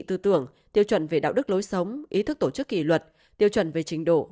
tư tưởng tiêu chuẩn về đạo đức lối sống ý thức tổ chức kỷ luật tiêu chuẩn về trình độ